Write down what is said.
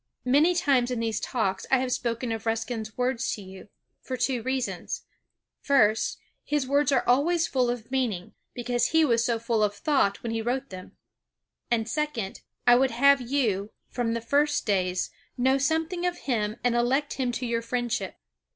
Many times in these Talks I have spoken of Ruskin's words to you; for two reasons: first, his words are always full of meaning, because he was so full of thought when he wrote them; and second, I would have you, from the first days, know something of him and elect him to your friendship.